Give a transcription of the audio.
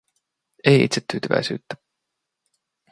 Ei itsetyytyväisyyttä.